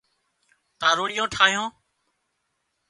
تاروڙيئان ٺاهيان